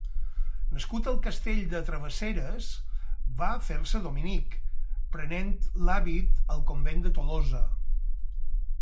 Nascut al castell de Travesseres, va fer-se dominic, prenent l'hàbit al convent de Tolosa.